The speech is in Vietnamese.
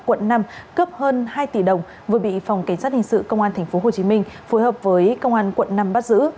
quận năm cướp hơn hai tỷ đồng vừa bị phòng cảnh sát hình sự công an tp hcm phối hợp với công an quận năm bắt giữ